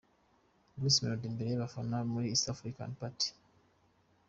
Bruce Melody imbere y'abafana be muri East African Party.